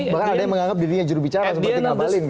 bahkan ada yang menganggap dirinya jurubicara seperti ngabalin